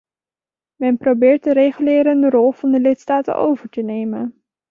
Men probeert de regulerende rol van de lidstaten over te nemen.